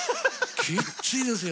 きっついですよ